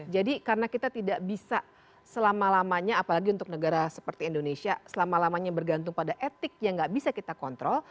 jadi karena kita tidak bisa selama lamanya apalagi untuk negara seperti indonesia selama lamanya bergantung pada etik yang gak bisa kita kontrol